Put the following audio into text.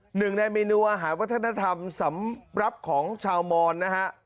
หนึ่งในเมนูอาหารวัฒนธรรมสำหรับของชาวมอนนะฮะ